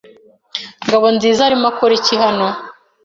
Ngabonzizaarimo akora iki hano?